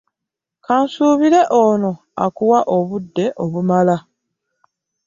Kansuubire ono akuwa obudde obumala.